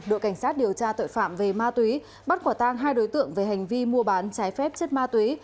đội cảnh sát điều tra tội phạm về ma túy bắt quả tang hai đối tượng về hành vi mua bán trái phép chất ma túy